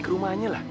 ke rumahnya lah